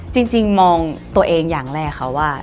จริงมองตัวเองอย่างแรกค่ะว่า